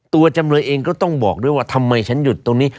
จำเลยเองก็ต้องบอกด้วยว่าทำไมฉันหยุดตรงนี้